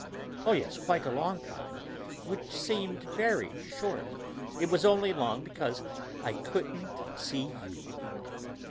"Oh, yes, quite a long time, which seemed very short; it was only long because I couldn't see you."